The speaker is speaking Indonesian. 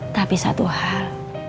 tapi satu hal